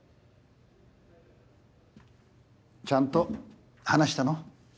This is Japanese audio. ちゃんと話したの？